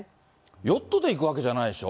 ヨットで行くわけじゃないでしょ？